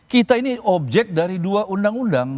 kita ini objek dari dua undang undang